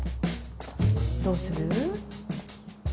どうする？